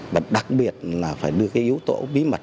và đặc biệt là phải đưa cái yếu tố bí mật